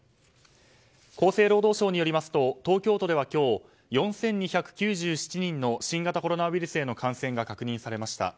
厚生労働省によりますと東京都では今日、４２９７人の新型コロナウイルスへの感染が確認されました。